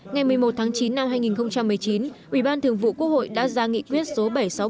ngày một mươi một tháng chín năm hai nghìn một mươi chín ủy ban thường vụ quốc hội đã ra nghị quyết số bảy trăm sáu mươi bảy